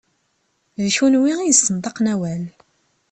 D kunwi i yessenṭaqen awal.